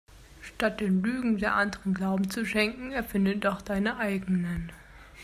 Statt den Lügen der Anderen Glauben zu schenken erfinde doch deine eigenen.